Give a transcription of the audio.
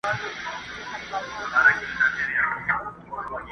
چي په بل وطن کي اوسي نن به وي سبا به نه وي!!